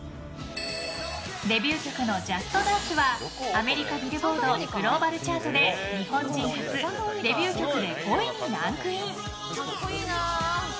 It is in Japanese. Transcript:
デビュー曲の「ＪＵＳＴＤＡＮＣＥ！」はアメリカ、ビルボード・グローバル・チャートで日本人初デビュー曲で５位にランクイン。